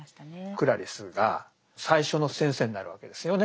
クラリスが最初の「先生」になるわけですよね